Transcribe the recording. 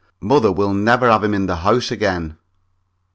Mother will never have him in the house again.